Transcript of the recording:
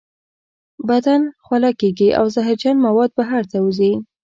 بدن خوله کیږي او زهرجن مواد بهر ته وځي.